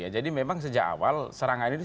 jadi memang sejak awal serangan ini sudah terjadi